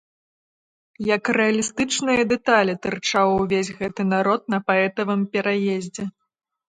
Як рэалістычныя дэталі, тырчаў увесь гэты народ на паэтавым пераездзе.